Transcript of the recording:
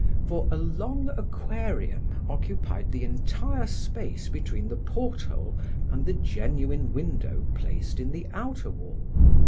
For a long aquarium occupied the entire space between the porthole and the genuine window placed in the outer wall.